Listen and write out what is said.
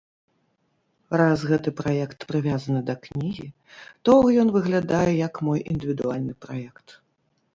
Раз гэты праект прывязаны да кнігі, тог ён выглядае як мой індывідуальны праект.